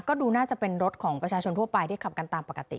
ก็ดูน่าจะเป็นรถของประชาชนทั่วไปที่ขับกันตามปกติ